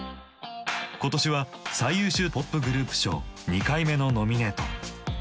今年は最優秀ポップ・グループ賞２回目のノミネート。